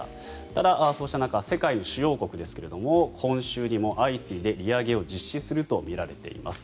ただ、そうした中世界の主要国ですが今週にも相次いで利上げを実施するとみられています。